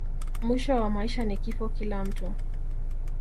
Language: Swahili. mwisho wa maisha ni kifo kila mtu